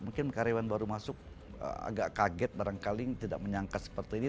mungkin karyawan baru masuk agak kaget barangkali tidak menyangka seperti ini